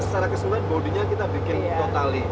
secara keseluruhan bodinya kita bikin totali